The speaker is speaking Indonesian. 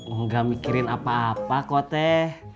engga mikirin apa apa kok teh